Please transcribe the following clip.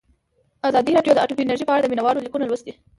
ازادي راډیو د اټومي انرژي په اړه د مینه والو لیکونه لوستي.